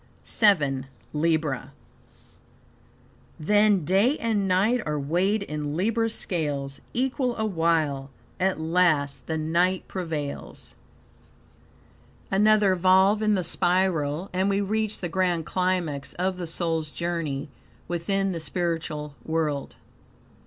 VII. Libra "Then day and night are weighed in Libra's scales; Equal awhile, at last the night prevails." Another volve in the spiral, and we reach the grand climax of the soul's journey, within the spiritual world.